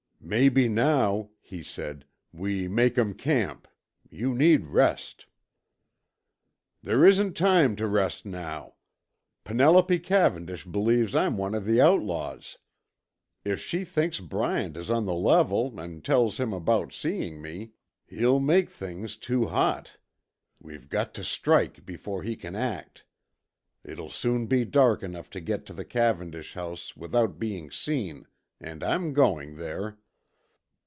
"Maybe now," he said, "we make um camp. You need rest." "There isn't time to rest now. Penelope Cavendish believes I'm one of the outlaws. If she thinks Bryant is on the level and tells him about seeing me, he'll make things too hot. We've got to strike before he can act. It'll soon be dark enough to get to the Cavendish house without being seen, and I'm going there.